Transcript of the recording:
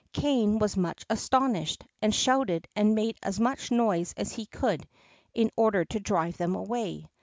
Kané was much astonished, and shouted and made as much noise as he could in order to drive them away.